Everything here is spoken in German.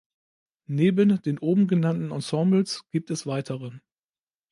Neben den oben genannten Ensembles gibt es weitere.